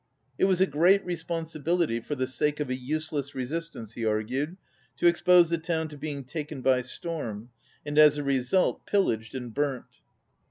It was a great responsibility, for the sake of a useless resistance, he argued, to expose the town to being taken by storm, and as a result pillaged and burnt.